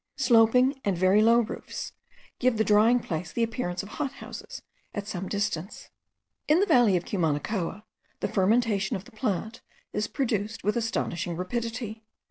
Sloping and very low roofs give the drying place the appearance of hot houses at some distance. In the valley of Cumanacoa, the fermentation of the plant is produced with astonishing rapidity.